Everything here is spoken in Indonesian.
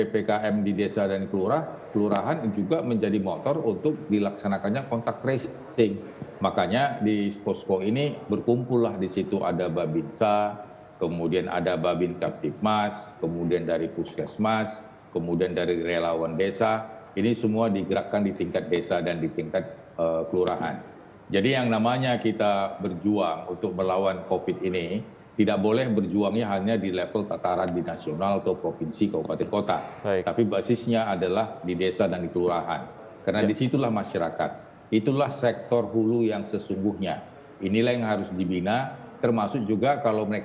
peran posko ppkm dengan desa dengan kelurahan dengan pusiasmas harus dikorniasikan